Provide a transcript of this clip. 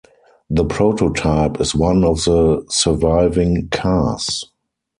The prototype is one of the surviving cars.